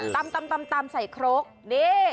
ตำใส่ครกนี่